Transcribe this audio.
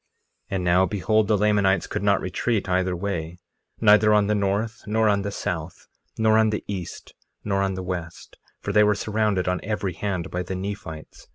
1:31 And now, behold, the Lamanites could not retreat either way, neither on the north, nor on the south, nor on the east, nor on the west, for they were surrounded on every hand by the Nephites.